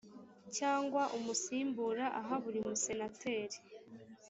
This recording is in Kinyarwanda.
cyangwa umusimbura aha buri musenateri